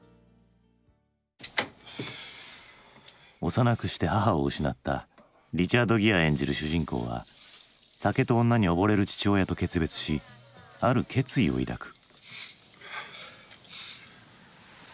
幼くして母を失ったリチャード・ギア演じる主人公は酒と女に溺れる父親と決別しある決意を抱く。